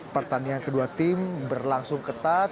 pertandingan kedua tim berlangsung ketat